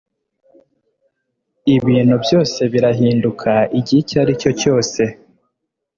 Ibintu byose birahinduka igihe icyaricyo cyose